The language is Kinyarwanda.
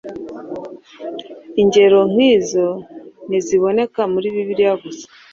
Ingero nk’izo ntiziboneka muri Bibiliya gusa.